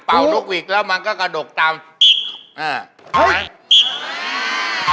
ป่าวนกหวีกแล้วมันก็กระดกตามอ่ะค่ะเฮ่ย